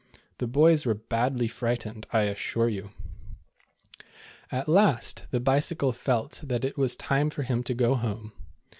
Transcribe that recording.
The boys were badly frightened, I assure you. At last, the Bicycle felt that it was time for The Bold Bad Bicvcle. 229 him to go home.